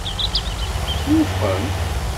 Twufqem?